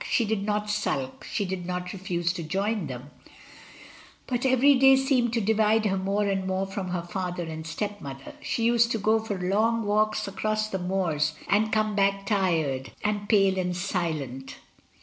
She did not sulk, she did not refuse to join them, but every day seemed to divide her more 248 MRS. DYMOND. and more from her father and stepmother. She used to go for long walks across the moors and come back tired and pale and silent.